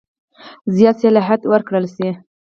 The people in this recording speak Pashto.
زیات صلاحیت ورکړه شي.